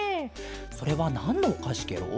それはなんのおかしケロ？